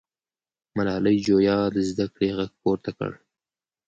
ملالۍ جویا د زده کړې غږ پورته کړ.